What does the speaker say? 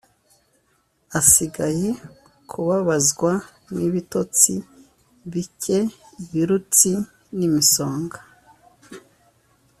asigaye kubabazwa n’ibitotsi bike, ibirutsi, n’imisonga: